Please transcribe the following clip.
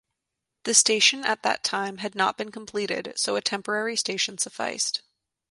The station at that time had not been completed so a temporary station sufficed.